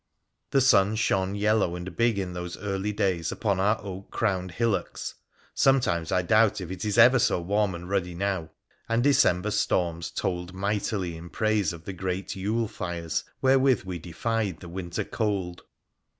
The sun shone yellow and big in those early days upon our oak crowned hillocks — sometimes I doubt if it is ever so warm and ruddy now — and December storms told mightily in praise of the great Yule fires wherewith we defied the winter cold.